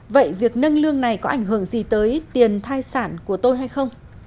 vậy việc nâng lương này có ảnh hưởng gì tới tiền thai sản của tôi hay không